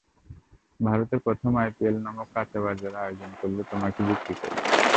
ভারত প্রথমে আইপিএল নামক কাঁচাবাজারের আয়োজন করল, তোমাকে বিক্রি করবে বলে।